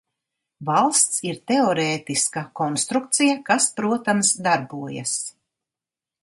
Valsts ir teorētiska konstrukcija, kas, protams, darbojas.